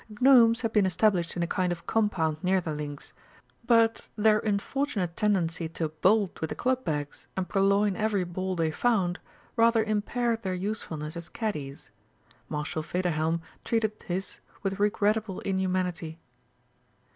The Gnomes had been established in a kind of compound near the links, but their unfortunate tendency to bolt with the club bags and purloin every ball they found rather impaired their usefulness as caddies. Marshal Federhelm treated his with regrettable inhumanity.